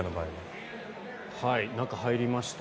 中に入りました。